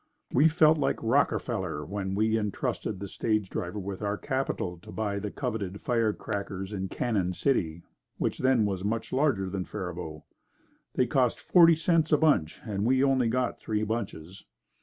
We felt like Rockefeller when we entrusted the stage driver with our capital to buy the coveted firecrackers in Cannon City, which then was much larger than Faribault. They cost forty cents a bunch, so we only got three bunches.